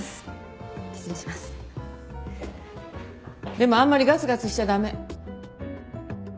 でもあんまりガツガツしちゃ駄目。